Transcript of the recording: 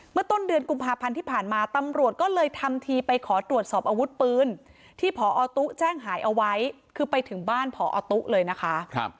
ต้นเดือนกุมภาพันธ์ที่ผ่านมาตำรวจก็เลยทำทีไปขอตรวจสอบอาวุธปืนที่พอตุ๊แจ้งหายเอาไว้คือไปถึงบ้านพอตุ๊เลยนะคะ